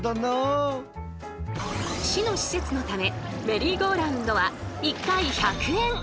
市の施設のためメリーゴーラウンドは１回１００円。